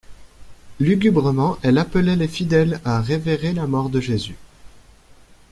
Lugubrement elle appelait les fidèles à révérer la mort de Jésus.